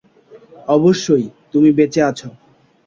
অবশ্যই, তুমি বেঁচে আছো।